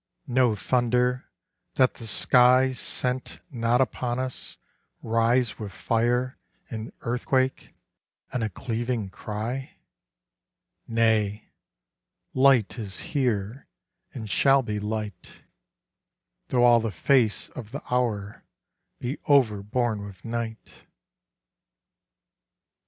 No thunder, that the skies Sent not upon us, rise With fire and earthquake and a cleaving cry? Nay, light is here, and shall be light, Though all the face of the hour be overborne with night.